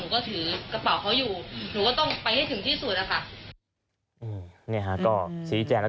ของมันตกอยู่ด้านนอก